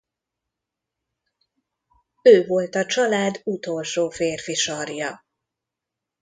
Ő volt a család utolsó férfi sarja.